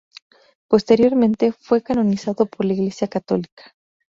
Posteriormente, fue canonizado por la Iglesia católica.